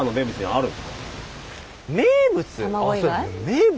名物？